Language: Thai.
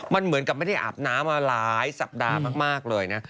มันเหมือนกับไม่ได้อาบน้ำมาหลายสัปดาห์มากเลยนะ